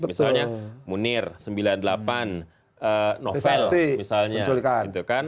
misalnya munir sembilan puluh delapan novel misalnya